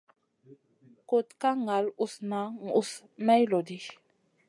Kuɗ ka ŋal usna usna may lodi.